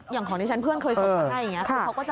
ของที่ฉันเพื่อนเคยส่งมาให้อย่างนี้